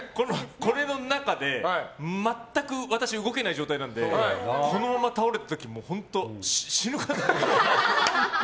これの中で全く私、動けない状態なのでこのまま倒れた時本当に死ぬかと思いました。